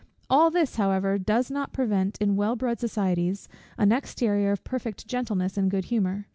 All this, however, does not prevent, in well bred societies, an exterior of perfect gentleness and good humour.